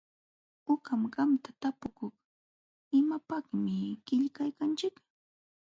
Uqam qamta tapukuk: ¿Imapaqmi qillqaykanchik?